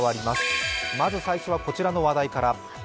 まず最初はこちらの話題から。